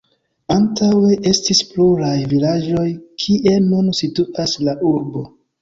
Antaŭe estis pluraj vilaĝoj kie nun situas la urbo.